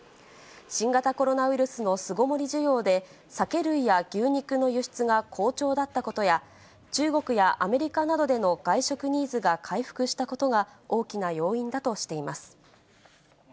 新型コロナウイルスの巣ごもり需要で、酒類や牛肉の輸出が好調だったことや、中国やアメリカなどでの外食ニーズが回復したことが大きな要因だとしています。